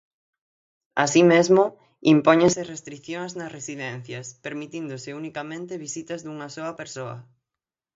Así mesmo, impóñense restricións nas residencias, permitíndose unicamente visitas dunha soa persoa.